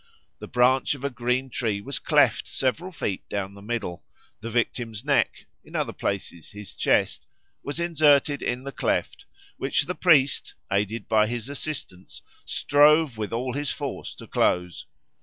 The branch of a green tree was cleft several feet down the middle; the victim's neck (in other places, his chest) was inserted in the cleft, which the priest, aided by his assistants, strove with all his force to close.